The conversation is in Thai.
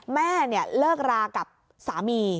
แม่เลิกรากับสามี